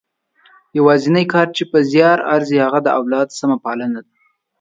یوازنۍ کار چې په زیار ارزي هغه د اولاد سمه پالنه ده.